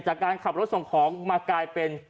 จากการขับรถส่งของมากลายเป็น